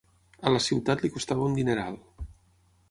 A la ciutat li costava un dineral.